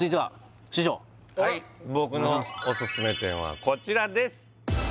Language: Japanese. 僕のオススメ店はこちらです